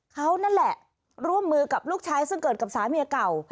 เขานั่นแหละร่วมมือกับลูกชายซึ่งเกิดกับสามีเก่า